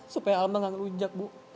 supaya alma gak ngelunjak bu